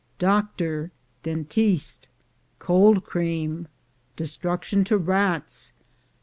Doctor — Dentiste. Cold Cream. Destruction to Rats.